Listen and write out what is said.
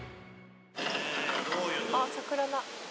あっ桜だ。